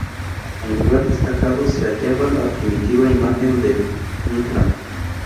En lugar destacado se hallaba la primitiva imagen de Ntra.